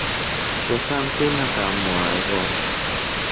Και σαν τι να κάμω εγώ;